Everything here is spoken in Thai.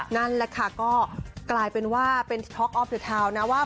นั่นแหละค่ะก็กลายเป็นว่าเป็นท็อกออฟเดอร์ทาวน์นะว่า